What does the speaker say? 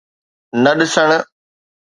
نه ڏسڻ.